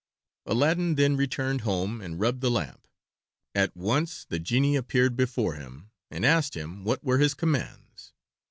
Aladdin then returned home and rubbed the lamp. At once the genie appeared before him, and asked him what were his commands.